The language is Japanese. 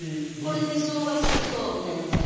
これでしょうが酢みそになりましたよね。